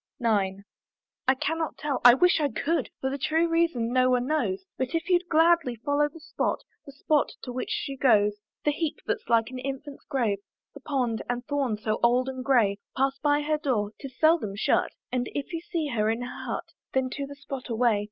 IX. I cannot tell; I wish I could; For the true reason no one knows, But if you'd gladly view the spot, The spot to which she goes; The heap that's like an infant's grave, The pond and thorn, so old and grey, Pass by her door 'tis seldom shut And if you see her in her hut, Then to the spot away!